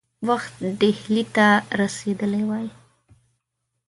وخت ډهلي ته رسېدلی وای.